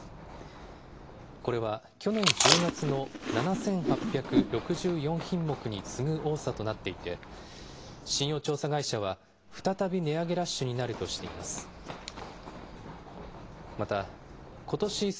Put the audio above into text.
これは、去年１０月の７８６４品目に次ぐ多さとなっていて、信用調査会社は再び値上げラッシュになるとしています。